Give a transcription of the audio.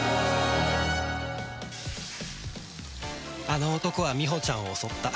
あの男はみほちゃんを襲った